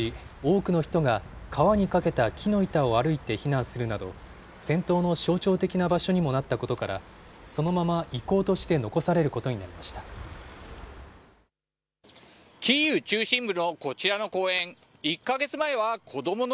当時、多くの人が川に架けた木の板を歩いて避難するなど、戦闘の象徴的な場所にもなったことから、そのまま遺構として残されることになキーウ中心部のこちらの公園。